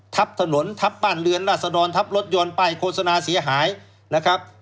ทับถนนทับบ้านเรือนราษฎรทับรถยนต์ป้ายโฆษณาเสียหายนะครับ